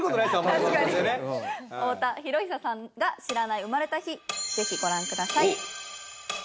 太田博久さんが知らない生まれた日ぜひご覧ください。